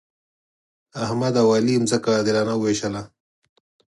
احمد او علي ځمکه عادلانه وویشله.